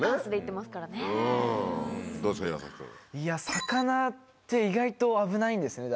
魚って意外と危ないんですね